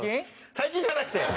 最近じゃなくて！